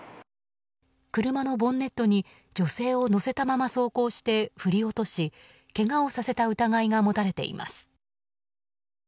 車のボンネットに、女性を乗せたまま走行して振り落としけがをさせた疑いが持たれています。